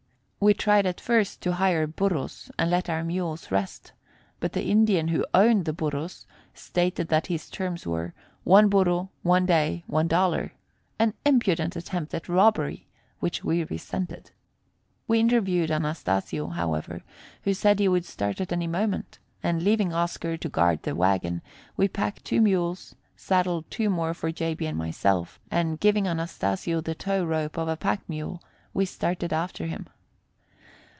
We tried at first to hire burros and let our mules rest, but the Indian who owned the burros stated that his terms were "one burro, one day, one dollar" an impudent attempt at robbery, which we resented. We interviewed Anastasio, however, who said he would start at any moment; and, leaving Oscar to guard the wagon, we packed two mules, saddled two more for J. B. and myself, and, giving Anastasio the tow rope of a pack mule, we started after him.